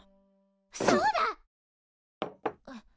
そうだ！